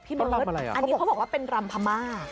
เบิร์ตอันนี้เขาบอกว่าเป็นรำพม่า